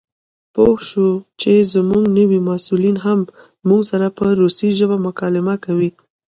پوه شوو چې زموږ نوي مسؤلین هم موږ سره په روسي ژبه مکالمه کوي.